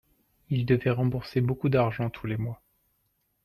il devait rembourser beaucoup d'argent tous les mois.